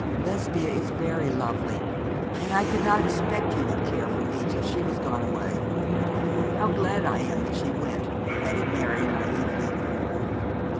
Lesbia is very lovely and I could not expect you would care for me till she was gone away. How glad I am that she went,' added Mary, naïvely.